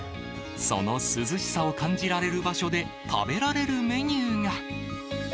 その涼しさを感じられる場所で食べられるメニューが。